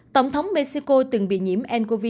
tổng thống mexico từng bị nhiễm ncov